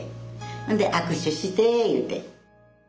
ほんで握手して言うて。